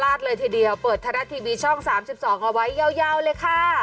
เลยทีเดียวเปิดไทยรัฐทีวีช่อง๓๒เอาไว้ยาวเลยค่ะ